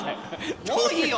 もういいよ！